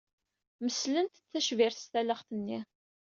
Meslent-d tacbirt s talaɣt-nni.